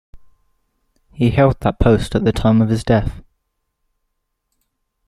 He held that post at the time of his death.